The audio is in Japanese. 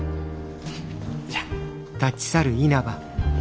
じゃあ。